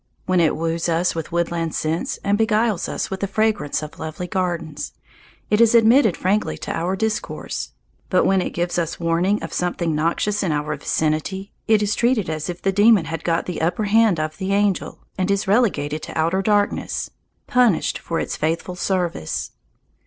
When it woos us with woodland scents and beguiles us with the fragrance of lovely gardens, it is admitted frankly to our discourse. But when it gives us warning of something noxious in our vicinity, it is treated as if the demon had got the upper hand of the angel, and is relegated to outer darkness, punished for its faithful service.